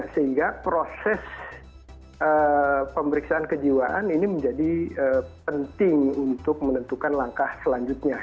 sehingga proses pemeriksaan kejiwaan ini menjadi penting untuk menentukan langkah selanjutnya